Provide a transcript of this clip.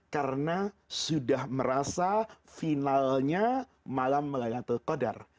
karena sudah merasa finalnya malam melayang telkodar